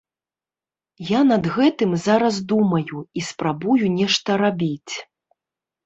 Я над гэтым зараз думаю і спрабую нешта рабіць.